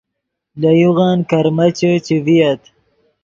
لے یوغن کرمیچے چے ڤییت